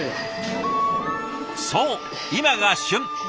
そう今が旬！